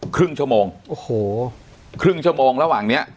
ครึ่งชั่วโมงโอ้โหครึ่งชั่วโมงระหว่างเนี้ย